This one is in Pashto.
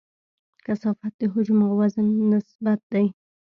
کثافت د حجم او وزن نسبت دی.